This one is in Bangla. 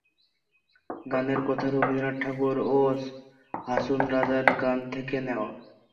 গানের কথা রবীন্দ্রনাথ ঠাকুর ও হাছন রাজার গান থেকে নেয়া।